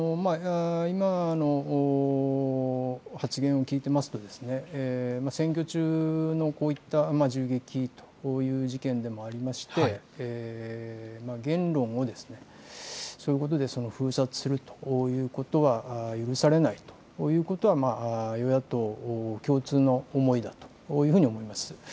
今の発言を聞いていますと、選挙中のこういった銃撃という事件でもありまして、言論をそういうことで封殺するということは、許されないということは、与野党共通の思いだというふうに思います。